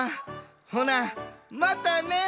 ほなまたね！